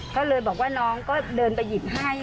ก็เลยบอกว่าน้องก็เดินไปหยิบให้